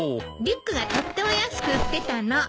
リュックがとっても安く売ってたの。